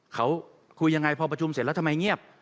เขาคุยยังไงพอประชุมเสร็จแล้วทำไมเงียบ